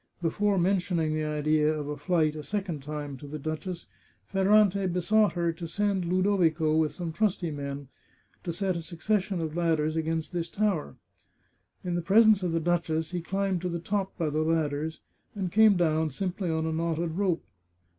Before mentioning the idea of flight a sec ond time to the duchess, Ferrante besought her to send Lu dovico with some trusty men, to set a succession of ladders against this tower. In the presence of the duchess he climbed to the top by the ladders, and came down simply on a knotted rope.